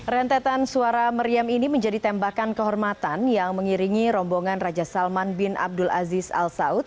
rentetan suara meriam ini menjadi tembakan kehormatan yang mengiringi rombongan raja salman bin abdul aziz al saud